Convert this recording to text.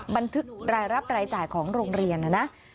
บันทึกรายรับรายจ่ายของโรงเรียนนะนะ